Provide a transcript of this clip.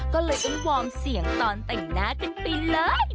ก็เลยมันวอร์มเสียงตอนตื่นหนาขึ้นไปเลย